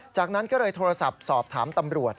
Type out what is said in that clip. จากนั้นก็เลยโทรศัพท์สอบถามตำรวจ